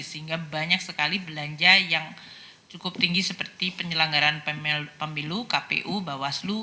sehingga banyak sekali belanja yang cukup tinggi seperti penyelenggaran pemilu kpu bawaslu